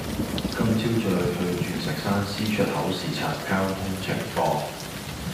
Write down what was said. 今朝再去鑽石山 C 出口視察交通情況